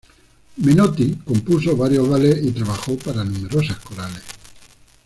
Menotti compuso varios ballets y trabajos para numerosas corales.